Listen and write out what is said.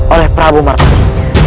oleh prabu martasi